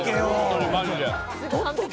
マジで。